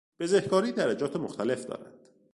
بزهکاری درجات مختلف دارد.